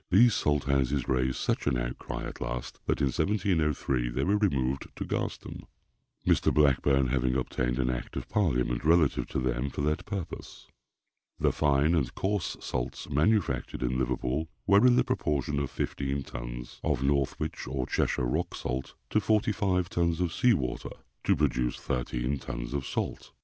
These Salt houses raised such an outcry at last that in 1703 they were removed to Garston, Mr. Blackburne having obtained an act of Parliament relative to them for that purpose. The fine and coarse salts manufactured in Liverpool were in the proportion of fifteen tons of Northwich or Cheshire rock salt to forty five tons of seawater, to produce thirteen tons of salt.